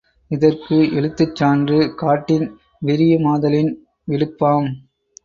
இதற்கு எழுத்துச் சான்று காட்டின் விரியு மாதலின் விடுப்பாம்.